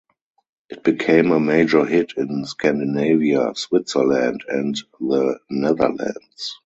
It became a major hit in Scandinavia, Switzerland and the Netherlands.